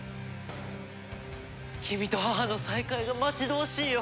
君と母の再会が待ち遠しいよ！